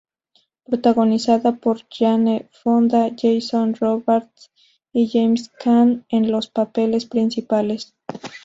Protagonizada por Jane Fonda, Jason Robards y James Caan en los papeles principales.